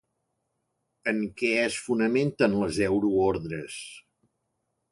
En què es fonamenten les euroordres?